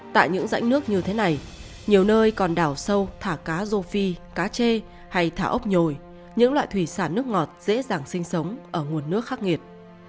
tại những rãnh nước như thế này nhiều nơi còn đảo sâu thả cá rô phi cá chê hay thả ốc nhồi những loại thủy sản nước ngọt dễ dàng sinh sống ở nguồn nước khắc nghiệt